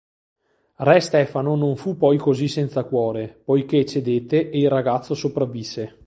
Re Stefano non fu poi così senza cuore, poiché cedette e il ragazzo sopravvisse.